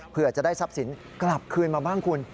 เพื่อจะได้ทรัพย์สินกลับคืนมาบ้างคุณ